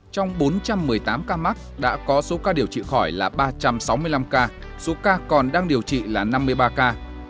trong bốn trăm một mươi tám ca mắc đã có số ca điều trị khỏi là ba trăm sáu mươi năm ca số ca còn đang điều trị là năm mươi ba ca